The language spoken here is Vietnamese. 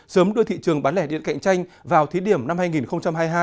sớm đưa thị trường bán lẻ điện cạnh tranh vào thí điểm năm hai nghìn hai mươi hai